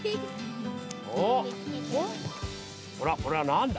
おっ、これはなんだ？